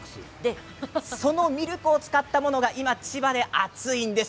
そのミルクを使ったものが今千葉で熱いんです。